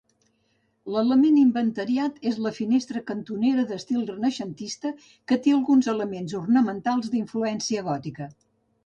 L'element inventariat és la finestra cantonera d'estil renaixentista, que té alguns elements ornamentals d'influència gòtica.